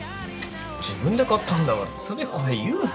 自分で買ったんだからつべこべ言うなよ。